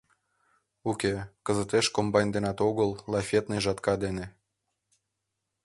Уке, кызытеш комбайн денат огыл, лафетный жатка дене.